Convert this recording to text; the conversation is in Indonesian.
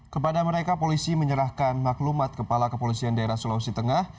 kepada mereka polisi menyerahkan maklumat kepala kepolisian daerah sulawesi tengah